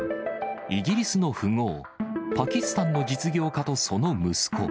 イギリスの富豪、パキスタンの実業家とその息子。